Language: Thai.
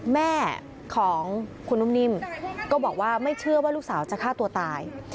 แม่ของคุณนุ่มนิ่มก็บอกว่าไม่เชื่อว่าลูกสาวจะฆ่าตัวตาย